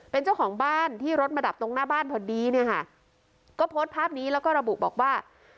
เป็นเจ้าของบ้านที่รถมาดับตรงหน้าบ้านพอดีเนี่ยค่ะก็โพสต์ภาพนี้แล้วก็ระบุบอกว่า